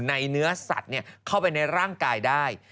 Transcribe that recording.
เนื้อสัตว์เข้าไปในร่างกายได้